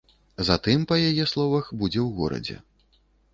Затым, па яе словах, будзе ў горадзе.